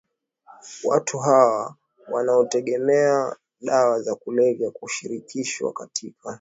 watu hawa wanaotegemea dawa za kulevya hushirikishwa katika